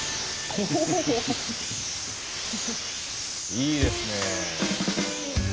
いいですね。